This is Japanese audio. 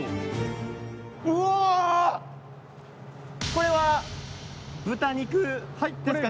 これが豚肉です。